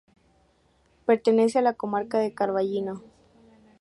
Pertenece a la comarca de Carballino.